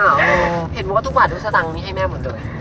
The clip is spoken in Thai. เห็นว่าทุกวันทุกสตางค์มีให้แม่หมดด้วย